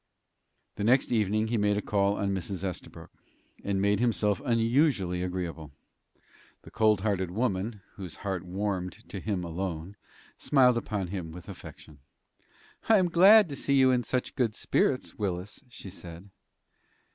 The next evening he made a call upon Mrs. Estabrook, and made himself unusually agreeable. The cold hearted woman, whose heart warmed to him alone, smiled upon him with affection. "I am glad to see you in such good spirits, Willis," she said.